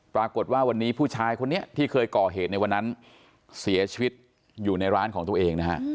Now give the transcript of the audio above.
ปรากฏว่าวันนี้ผู้ชายคนนี้ที่เคยก่อเหตุในวันนั้นเสียชีวิตอยู่ในร้านของตัวเองนะฮะ